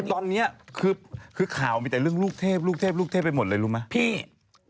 ตอนนี้คือข่าวมีแต่เรื่องลูกเทพลูกเทพลูกเทพไปหมดเลยรู้ไหมพี่